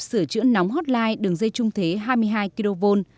sửa chữa nóng hotline đường dây trung thế hai mươi hai kv